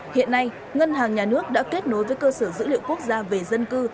hiện nay ngân hàng nhà nước đã kết nối với cơ sở dữ liệu quốc gia về dân cư